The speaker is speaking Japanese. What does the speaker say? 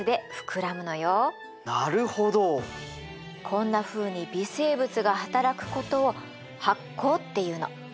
こんなふうに微生物が働くことを発酵っていうの。